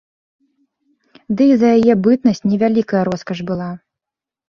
Ды і за яе бытнасць не вялікая роскаш была.